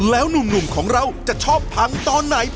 แล้วหนุ่มของเราจะชอบพังตอนไหน